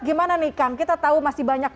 gimana nih kang kita tahu masih banyak